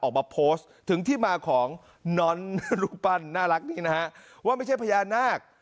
ออกมาโพสต์ถึงที่มาของน้อนรูปปั้นน่ารักนี้นะฮะว่าไม่ใช่พญานาค